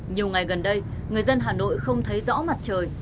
nhiều ngày gần đây người dân hà nội không thấy rõ mặt trời